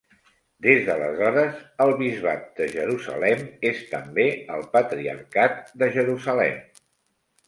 Des d'aleshores, el bisbat de Jerusalem és també el patriarcat de Jerusalem.